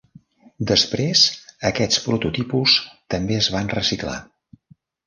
Després, aquests prototipus també es van reciclar.